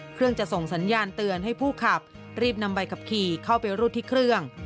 จะส่งสัญญาณเตือนให้ผู้ขับรีบนำใบขับขี่เข้าไปรูดที่เครื่อง